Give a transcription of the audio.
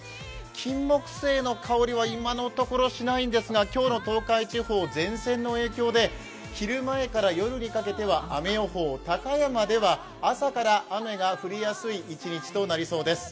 キンモクセイの香りは今のところ、しないんですが今日の東海地方、前線の影響で昼前から夜にかけては雨予報、高山では朝から雨が降りやすい一日となりそうです。